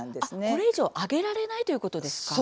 これ以上上げられないということですか。